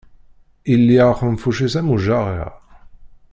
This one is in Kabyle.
Illi axenfuc-is am ujaɣiɣ.